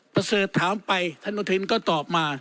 ประเสริฐถามไปท่านอุทินก็ตอบมา